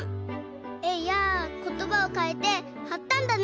えやことばをかいてはったんだね。